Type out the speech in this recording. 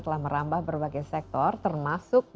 telah merambah berbagai sektor termasuk